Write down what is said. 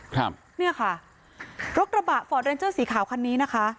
ครับเนี่ยค่ะรถกระบะฟอร์ดเรนเจอร์สีขาวคันนี้นะคะ